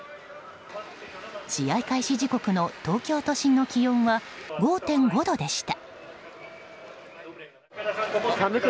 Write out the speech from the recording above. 試合開始時刻の東京都心の気温は５．５度でした。